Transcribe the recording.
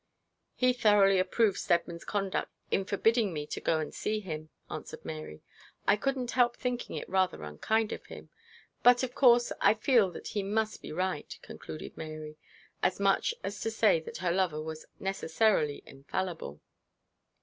'He thoroughly approved Steadman's conduct in forbidding me to go and see him,' answered Mary. 'I couldn't help thinking it rather unkind of him; but, of course, I feel that he must be right,' concluded Mary, as much as to say that her lover was necessarily infallible.